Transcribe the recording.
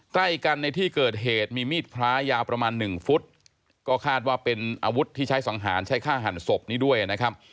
ใกล้กันในที่เกิดเหตุมีมีดพระยาวประมาณหนึ่งฟุตก็คาดว่าเป็นอาวุธที่ใช้สังหารใช้ฆ่าหันศพนี้ด้วยนะครับ